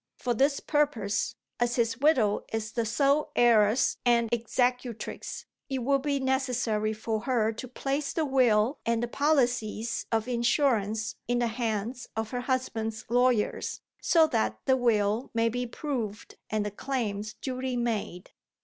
For this purpose, as his widow is the sole heiress and executrix, it will be necessary for her to place the will and the policies of insurance in the hands of her husband's lawyers, so that the will may be proved and the claims duly made.